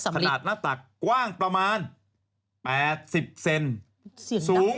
ถนัดหน้าตักกว้างประมาณ๘๐เซนติเซนติเซน